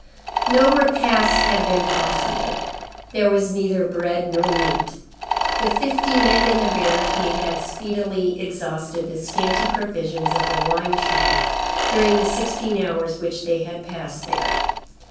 No repast had been possible. There was neither bread nor meat. The fifty men in the barricade had speedily exhausted the scanty provisions of the wine shop during the sixteen hours which they had passed there.